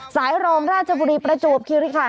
รองราชบุรีประจวบคิริคัน